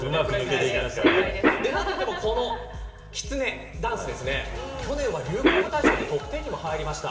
何といっても、このきつねダンス去年は流行語大賞トップ１０にも入りました。